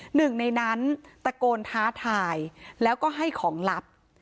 หนึ่งในนั้นตะโกนท้าทายแล้วก็ให้ของลับ